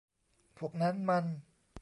พวกนั้นมัน